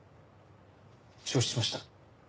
承知しました。